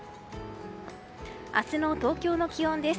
明日の東京の気温です。